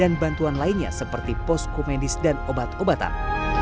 dan bantuan lainnya seperti posku medis dan obat obatan